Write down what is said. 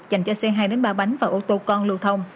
dành cho xe hai ba bánh và ô tô con lưu thông